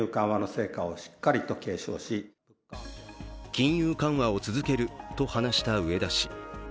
金融緩和を続けると話した植田氏。